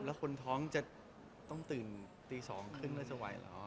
แล้วคุณท้องจะต้องตื่นตีสองขึ้นแล้วจะไหวเหรอ